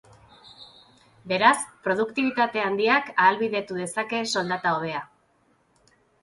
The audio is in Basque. Beraz, produktibitate handiak ahalbidetu dezake soldata hobea.